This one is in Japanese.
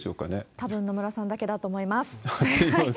たぶん野村さんだけだと思います。